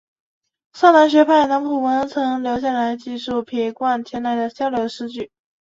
萨南学派南浦文之曾留下记述撇贯前来交流的诗句。